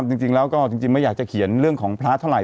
จริงแล้วก็จริงไม่อยากจะเขียนเรื่องของพระเท่าไห